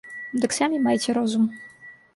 Дык самі майце розум.